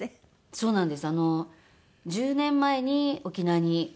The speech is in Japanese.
そうなんです。